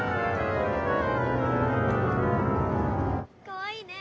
かわいいね。